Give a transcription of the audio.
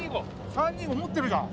３−２−５持ってるじゃん。